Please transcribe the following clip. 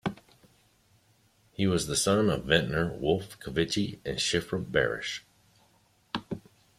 He was the son of vintner Wolf Covici and Schifra Barish.